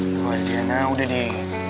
boi adriana udah deh